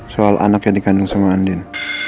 soal anak yang dikandung sama andin